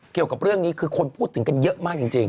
เกี่ยวกับเรื่องนี้คือคนพูดถึงกันเยอะมากจริง